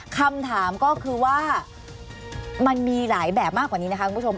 คำถามก็คือว่ามันมีหลายแบบมากกว่านี้นะคะคุณผู้ชม